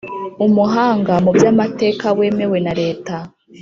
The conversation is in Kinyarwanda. umuhanga mu by amateka wemewe na leta